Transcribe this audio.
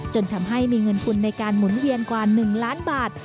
จนทำให้มีเงินทุนในการหมุนเวียนกว่า๑ล้านบาท